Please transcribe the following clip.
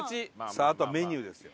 さああとはメニューですよ。